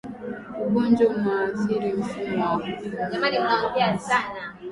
ugonjwa unaoathiri mfumo wa kupumulia hasa